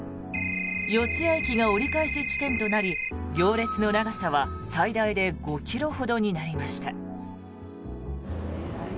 四ツ谷駅が折り返し地点となり行列の長さは最大で５ｋｍほどになりました。